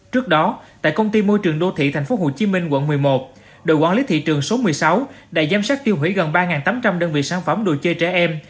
trước đó tại công ty môi trường đô thị tp hcm quận một mươi một đội quản lý thị trường số một mươi sáu đã giám sát tiêu hủy gần ba tám trăm linh đơn vị sản phẩm đồ chơi trẻ em